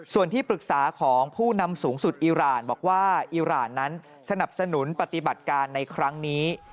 ส่วนที่ปรึกษาของผู้นำสูงสุดอิราณบอกว่าอิราณนั้นสนับสนุนปฏิบัติการในครั้งนี้